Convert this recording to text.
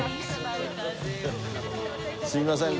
すいません